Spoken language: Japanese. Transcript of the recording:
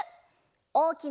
「おおきな